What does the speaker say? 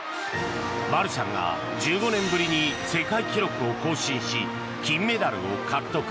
マルシャンが１５年ぶりに世界記録を更新し金メダルを獲得。